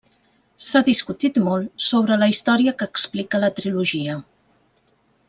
S'ha discutit molt sobre la història que explica la Trilogia.